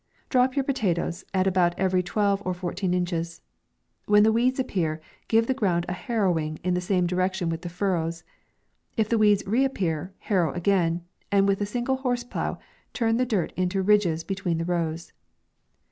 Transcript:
Drop your potatoes at about every twelve or fourteen inches. When the weeds appear, give the ground a harrowing in the same direction with the furrows ; if the weeds re appear, harrow again, and with a single horse plough, turn the dirt into ridges be tween the rows.